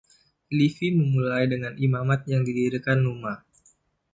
Livy memulai dengan imamat yang didirikan Numa.